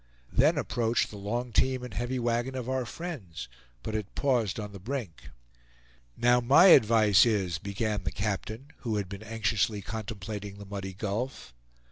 Then approached the long team and heavy wagon of our friends; but it paused on the brink. "Now my advice is " began the captain, who had been anxiously contemplating the muddy gulf.